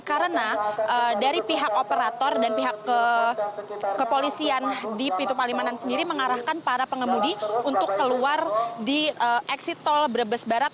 karena dari pihak operator dan pihak kepolisian di pintu palimanan sendiri mengarahkan para pengemudi untuk keluar di exit tol brebes barat